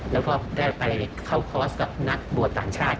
แล้วก็ได้ไปเข้าคอร์สกับนักบวชต่างชาติ